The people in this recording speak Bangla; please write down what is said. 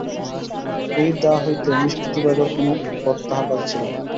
এই দাহ হইতে নিষ্কৃতি পাইবার কোনো পথ তাহার কাছে ছিল না।